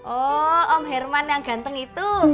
oh om herman yang ganteng itu